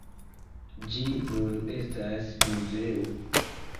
Ĝi nun estas muzeo.